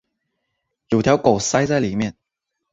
有条狗塞在里面